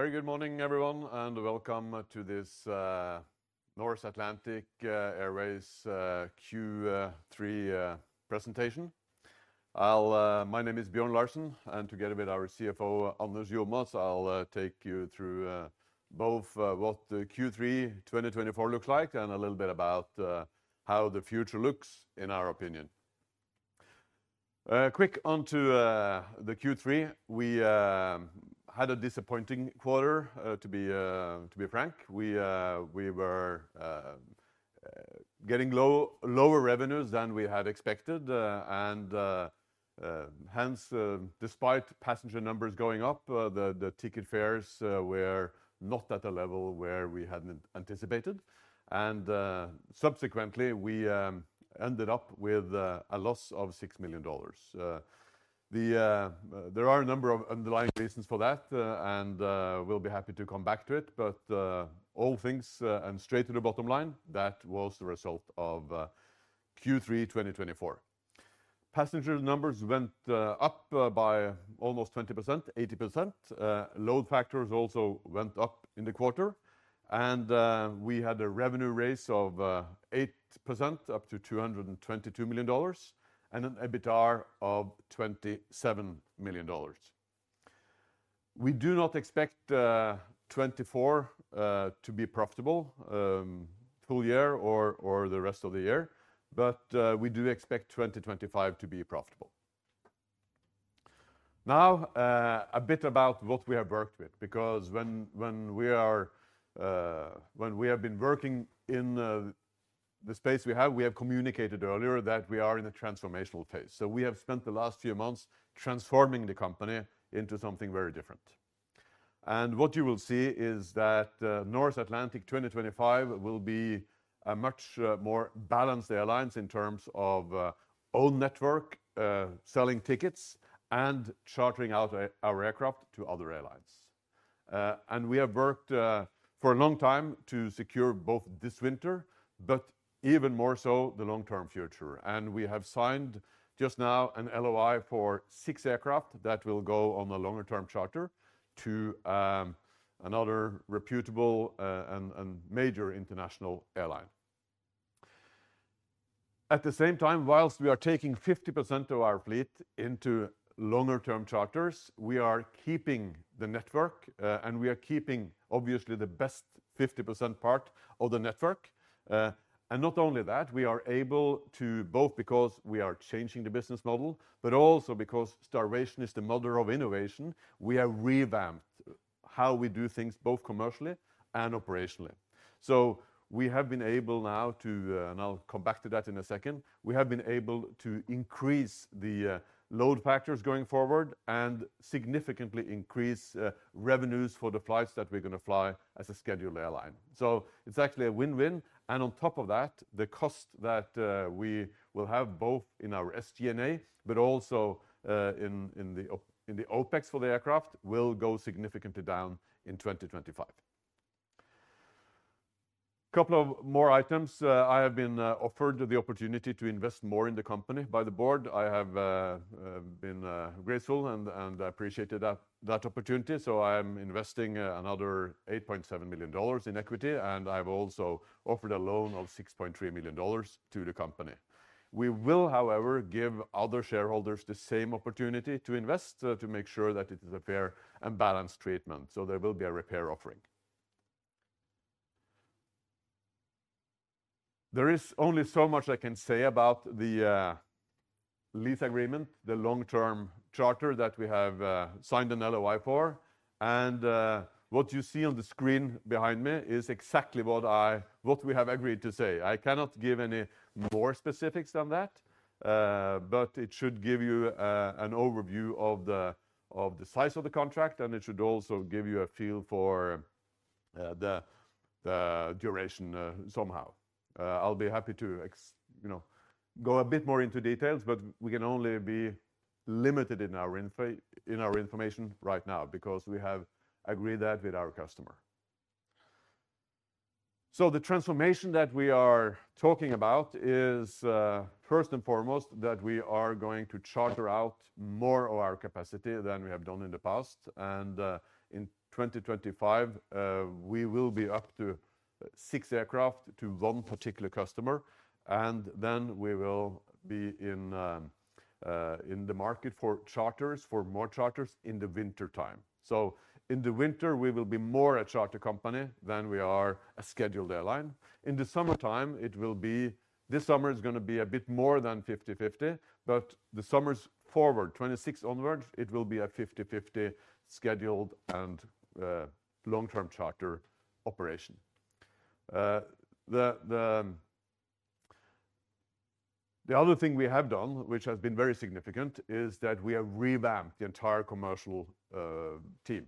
Very good morning, everyone, and welcome to this Norse Atlantic Airways Q3 Presentation. My name is Bjørn Larsen, and together with our CFO, Anders Jomaas, I'll take you through both what the Q3 2024 looks like and a little bit about how the future looks, in our opinion. Quick on to the Q3. We had a disappointing quarter, to be frank. We were getting lower revenues than we had expected, and hence, despite passenger numbers going up, the ticket fares were not at a level where we hadn't anticipated. Subsequently, we ended up with a loss of $6 million. There are a number of underlying reasons for that, and we'll be happy to come back to it, but all things and straight to the bottom line, that was the result of Q3 2024. Passenger numbers went up by almost 22%. Load factors also went up in the quarter, and we had a revenue rise of 8%, up to $222 million, and an EBITDA of $27 million. We do not expect 2024 to be profitable, full year or the rest of the year, but we do expect 2025 to be profitable. Now, a bit about what we have worked with, because when we have been working in the space, we have communicated earlier that we are in a transformational phase. So we have spent the last few months transforming the company into something very different, and what you will see is that Norse Atlantic 2025 will be a much more balanced airline in terms of own network, selling tickets and chartering out our aircraft to other airlines. And we have worked for a long time to secure both this winter, but even more so the long-term future. And we have signed just now an LOI for six aircraft that will go on a longer-term charter to another reputable and major international airline. At the same time, while we are taking 50% of our fleet into longer-term charters, we are keeping the network, and we are keeping, obviously, the best 50% part of the network. And not only that, we are able to, both because we are changing the business model, but also because starvation is the mother of innovation, we have revamped how we do things both commercially and operationally. So we have been able now to, and I'll come back to that in a second, we have been able to increase the load factors going forward and significantly increase revenues for the flights that we're gonna fly as a scheduled airline. So it's actually a win-win. And on top of that, the cost that we will have both in our SG&A, but also in the OpEx for the aircraft will go significantly down in 2025. Couple of more items. I have been offered the opportunity to invest more in the company by the board. I have been grateful and appreciated that opportunity. So I am investing another $8.7 million in equity, and I've also offered a loan of $6.3 million to the company. We will, however, give other shareholders the same opportunity to invest, to make sure that it is a fair and balanced treatment. So there will be a repair offering. There is only so much I can say about the lease agreement, the long-term charter that we have signed an LOI for. And what you see on the screen behind me is exactly what we have agreed to say. I cannot give any more specifics than that, but it should give you an overview of the size of the contract, and it should also give you a feel for the duration, somehow. I'll be happy to, you know, go a bit more into details, but we can only be limited in our information right now, because we have agreed that with our customer. So the transformation that we are talking about is, first and foremost, that we are going to charter out more of our capacity than we have done in the past, and in 2025, we will be up to six aircraft to one particular customer, and then we will be in the market for charters, for more charters in the wintertime. In the winter, we will be more a charter company than we are a scheduled airline. In the summertime, it will be. This summer is gonna be a bit more than 50/50, but the summers forward, 2026 onwards, it will be a 50/50 scheduled and long-term charter operation. The other thing we have done, which has been very significant, is that we have revamped the entire commercial team.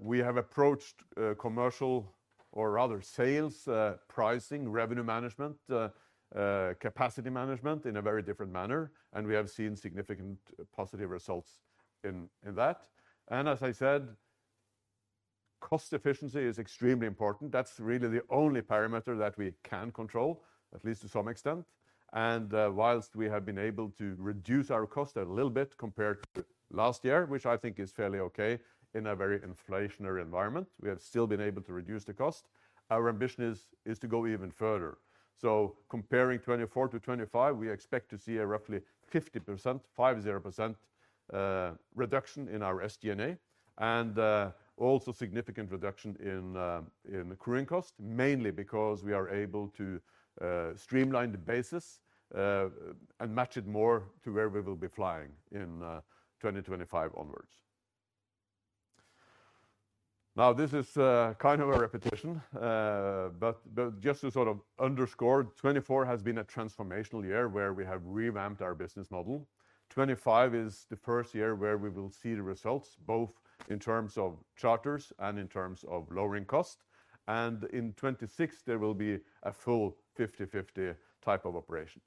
We have approached commercial or rather sales, pricing, revenue management, capacity management in a very different manner, and we have seen significant positive results in that. As I said, cost efficiency is extremely important. That's really the only parameter that we can control, at least to some extent. While we have been able to reduce our cost a little bit compared to last year, which I think is fairly okay in a very inflationary environment, we have still been able to reduce the cost. Our ambition is to go even further. Comparing 2024 to 2025, we expect to see a roughly 50% reduction in our SG&A and also significant reduction in crewing cost, mainly because we are able to streamline the bases and match it more to where we will be flying in 2025 onwards. Now, this is kind of a repetition, but just to sort of underscore, 2024 has been a transformational year where we have revamped our business model. 2025 is the first year where we will see the results, both in terms of charters and in terms of lowering cost, and in 2026, there will be a full 50/50 type of operation.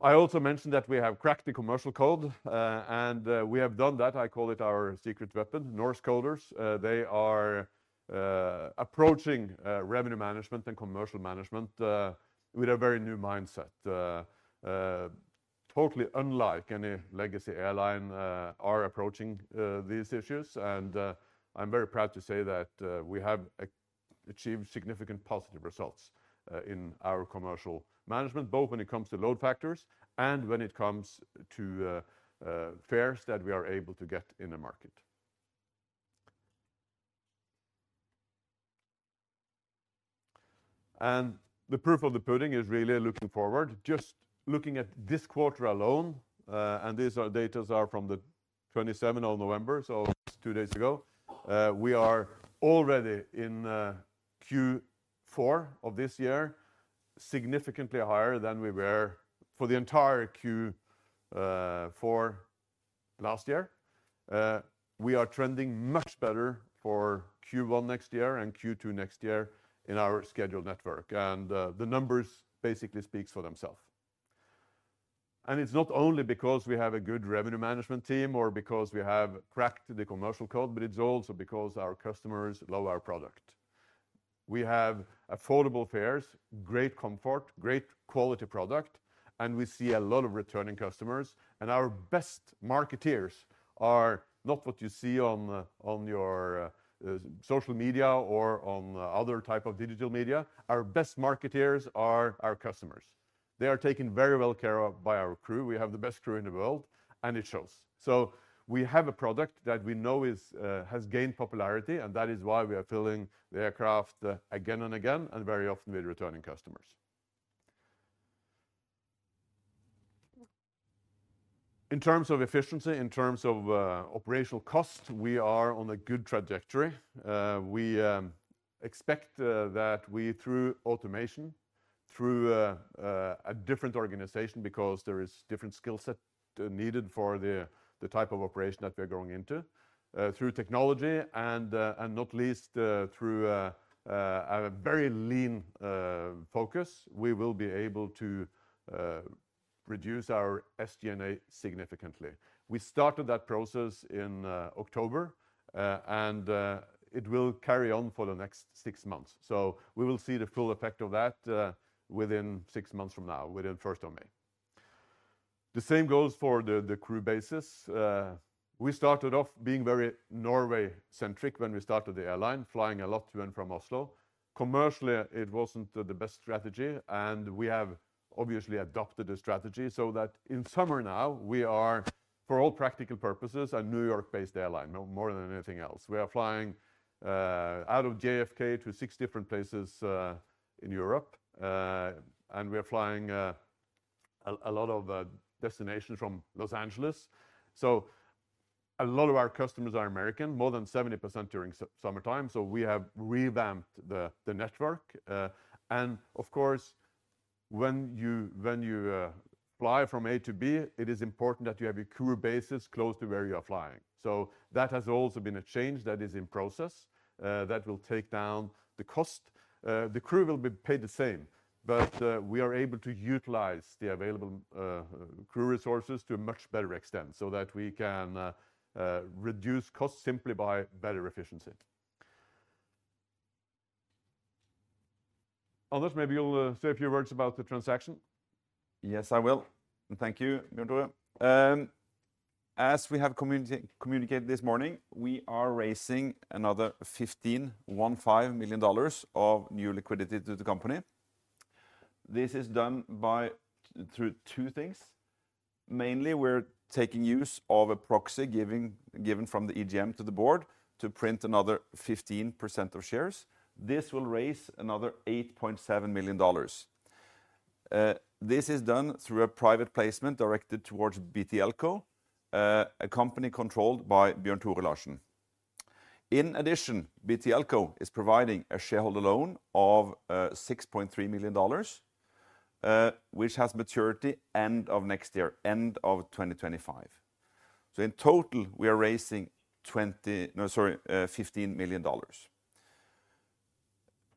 I also mentioned that we have cracked the commercial code, and we have done that. I call it our secret weapon, Norse Coders. They are approaching revenue management and commercial management with a very new mindset, totally unlike any legacy airline are approaching these issues, and I'm very proud to say that we have achieved significant positive results in our commercial management, both when it comes to load factors and when it comes to fares that we are able to get in the market. And the proof of the pudding is really looking forward, just looking at this quarter alone, and these data are from the 27th of November, so two days ago. We are already in Q4 of this year, significantly higher than we were for the entire Q4 last year. We are trending much better for Q1 next year and Q2 next year in our scheduled network. And the numbers basically speak for themselves. And it's not only because we have a good revenue management team or because we have cracked the commercial code, but it's also because our customers love our product. We have affordable fares, great comfort, great quality product, and we see a lot of returning customers. And our best marketers are not what you see on your social media or on other type of digital media. Our best marketers are our customers. They are taken very good care of by our crew. We have the best crew in the world, and it shows, so we have a product that we know has gained popularity, and that is why we are filling the aircraft again and again and very often with returning customers. In terms of efficiency, in terms of operational cost, we are on a good trajectory. We expect that we through automation through a different organization, because there is different skill set needed for the type of operation that we are going into, through technology and not least through a very lean focus, we will be able to reduce our SG&A significantly. We started that process in October, and it will carry on for the next six months, so we will see the full effect of that within six months from now, within first of May. The same goes for the crew bases. We started off being very Norway-centric when we started the airline, flying a lot to and from Oslo. Commercially, it wasn't the best strategy, and we have obviously adopted a strategy so that in summer now, we are, for all practical purposes, a New York-based airline, more than anything else. We are flying out of JFK to six different places in Europe. We are flying a lot of destinations from Los Angeles. So a lot of our customers are American, more than 70% during summertime. So we have revamped the network. Of course, when you fly from A to B, it is important that you have your crew bases close to where you are flying. So that has also been a change that is in process, that will take down the cost. The crew will be paid the same, but we are able to utilize the available crew resources to a much better extent so that we can reduce costs simply by better efficiency. Anders, maybe you'll say a few words about the transaction. Yes, I will. Thank you, Bjørn Tore Larsen. As we have communicated this morning, we are raising another $15 million of new liquidity to the company. This is done through two things. Mainly, we're making use of a proxy given from the EGM to the board to print another 15% of shares. This will raise another $8.7 million. This is done through a private placement directed towards BTLCO, a company controlled by Bjørn Tore Larsen. In addition, BTLCO is providing a shareholder loan of $6.3 million, which has maturity end of next year, end of 2025. So in total, we are raising $20 million, no, sorry, $15 million.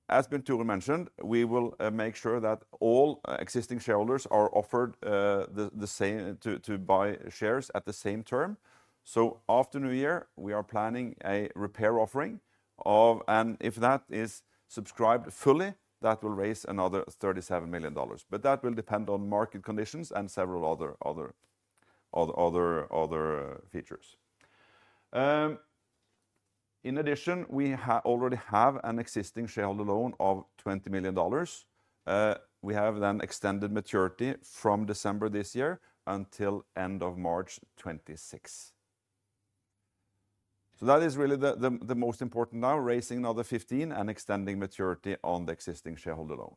As Bjørn Tore mentioned, we will make sure that all existing shareholders are offered the same to buy shares at the same term. So after New Year, we are planning a repair offering of, and if that is subscribed fully, that will raise another $37 million. But that will depend on market conditions and several other features. In addition, we already have an existing shareholder loan of $20 million. We have then extended maturity from December this year until end of March 2026. So that is really the most important now, raising another $15 million and extending maturity on the existing shareholder loan.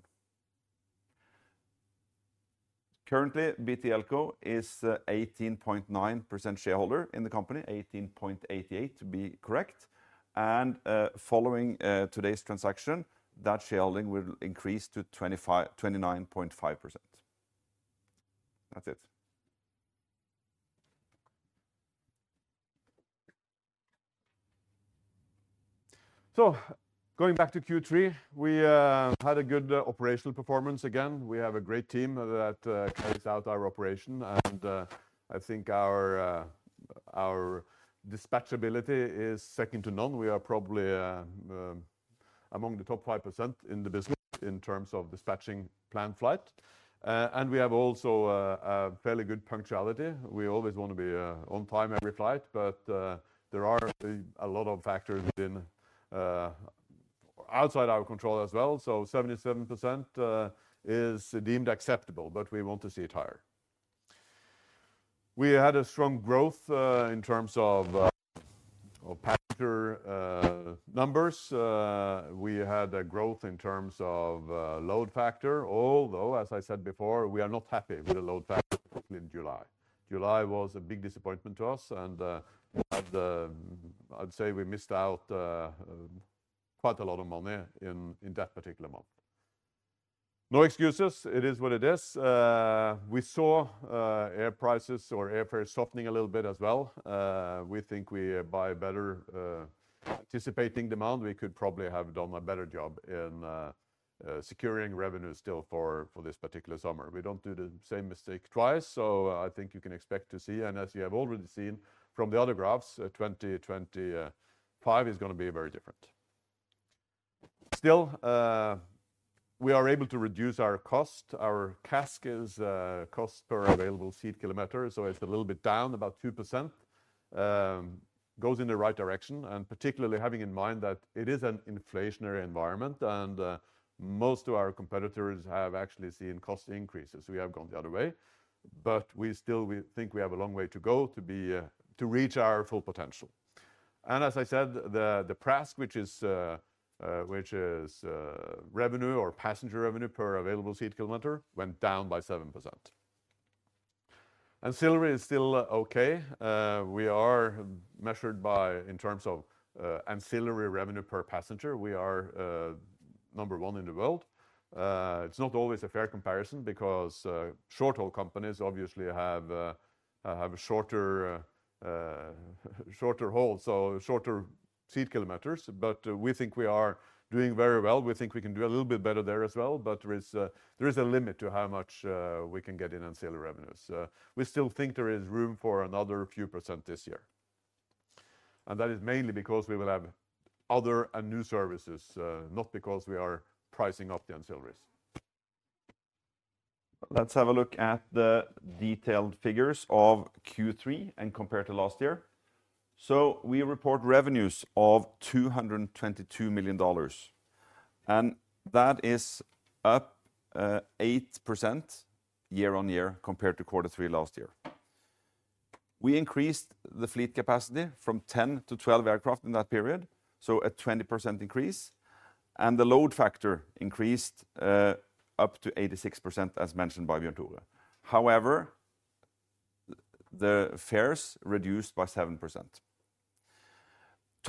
Currently, BTLCO is 18.9% shareholder in the company, 18.88% to be correct. And following today's transaction, that shareholding will increase to 25%-29.5%. That's it. So going back to Q3, we had a good operational performance. Again, we have a great team that carries out our operation. And I think our dispatchability is second to none. We are probably among the top 5% in the business in terms of dispatching planned flights. And we have also fairly good punctuality. We always want to be on time every flight, but there are a lot of factors within and outside our control as well. So 77% is deemed acceptable, but we want to see it higher. We had a strong growth in terms of of passenger numbers. We had a growth in terms of load factor, although as I said before, we are not happy with the load factor in July. July was a big disappointment to us, and we had, I'd say we missed out quite a lot of money in in that particular month. No excuses. It is what it is. We saw air prices or airfares softening a little bit as well. We think we buy better, anticipating demand. We could probably have done a better job in securing revenue still for this particular summer. We don't do the same mistake twice. So I think you can expect to see, and as you have already seen from the other graphs, 2025 is gonna be very different. Still, we are able to reduce our cost. Our CASK is cost per available seat kilometer. So it's a little bit down about 2%. It goes in the right direction, and particularly having in mind that it is an inflationary environment and most of our competitors have actually seen cost increases. We have gone the other way, but we still we think we have a long way to go to be to reach our full potential. As I said, the PRASK, which is revenue or passenger revenue per available seat kilometer, went down by 7%. Ancillary is still okay. We are measured in terms of ancillary revenue per passenger. We are number one in the world. It's not always a fair comparison because short haul companies obviously have shorter hauls, so shorter seat kilometers. But we think we are doing very well. We think we can do a little bit better there as well. But there is a limit to how much we can get in ancillary revenues. We still think there is room for another few percent this year. That is mainly because we will have other and new services, not because we are pricing up the ancillaries. Let's have a look at the detailed figures of Q3 and compare to last year. We report revenues of $222 million, and that is up 8% YoY compared to quarter three last year. We increased the fleet capacity from 10 to 12 aircraft in that period, so a 20% increase. The load factor increased up to 86% as mentioned by Bjørn Tore. However, the fares reduced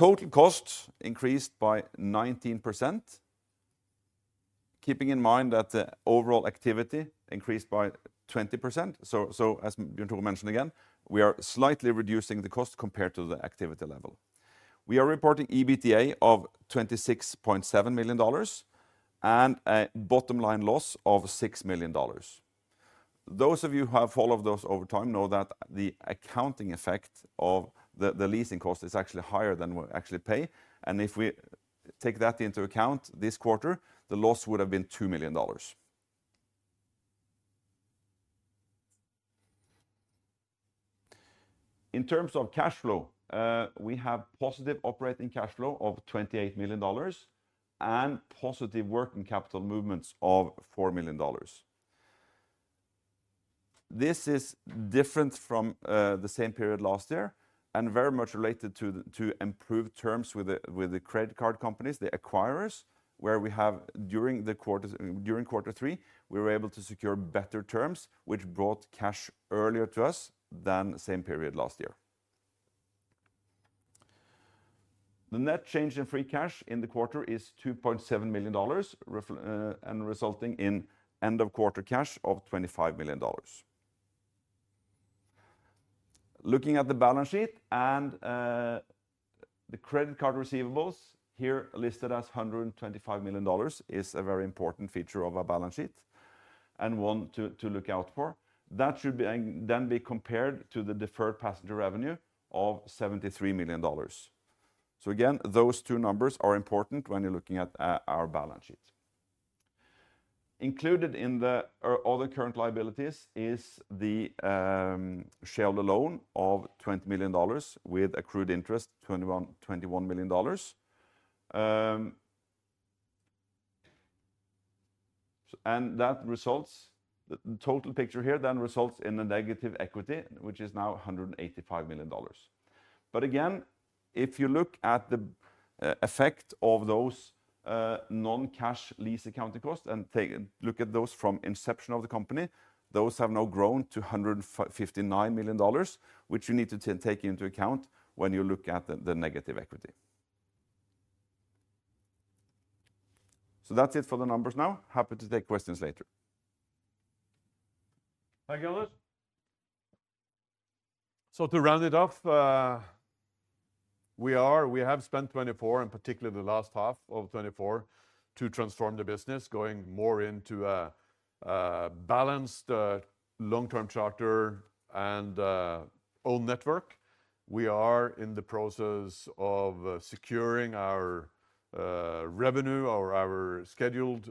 by 7%. Total cost increased by 19%, keeping in mind that the overall activity increased by 20%. So as Bjørn Tore mentioned again, we are slightly reducing the cost compared to the activity level. We are reporting EBITDA of $26.7 million and a bottom line loss of $6 million. Those of you who have followed those over time know that the accounting effect of the leasing cost is actually higher than we actually pay. If we take that into account this quarter, the loss would have been $2 million. In terms of cash flow, we have positive operating cash flow of $28 million and positive working capital movements of $4 million. This is different from the same period last year and very much related to improved terms with the credit card companies, the acquirers, where we have during the quarter, during quarter three, we were able to secure better terms, which brought cash earlier to us than same period last year. The net change in free cash in the quarter is $2.7 million, and resulting in end of quarter cash of $25 million. Looking at the balance sheet and the credit card receivables here listed as $125 million is a very important feature of our balance sheet and one to look out for. That should then be compared to the deferred passenger revenue of $73 million. So again, those two numbers are important when you're looking at our balance sheet. Included in the other current liabilities is the shareholder loan of $20 million with accrued interest, $21 million. And that results in the total picture here, then results in a negative equity, which is now $185 million. But again, if you look at the effect of those non-cash lease accounting costs and take a look at those from inception of the company, those have now grown to $159 million, which you need to take into account when you look at the negative equity. That's it for the numbers now. Happy to take questions later. Thank you, Anders. To round it off, we have spent 2024, in particular the last half of 2024, to transform the business, going more into a balanced, long-term charter and own network. We are in the process of securing our revenue or our scheduled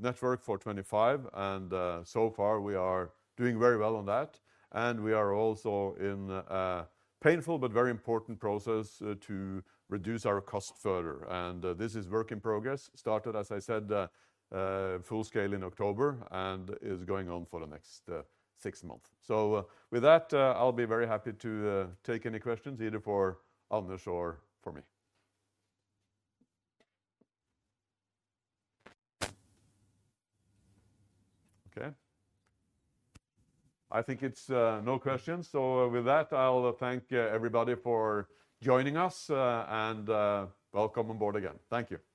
network for 2025, and so far we are doing very well on that, and we are also in a painful but very important process to reduce our cost further, and this is work in progress, started, as I said, full scale in October and is going on for the next six months, so with that, I'll be very happy to take any questions either for Anders or for me. Okay, I think it's no questions, so with that, I'll thank everybody for joining us, and welcome on board again. Thank you.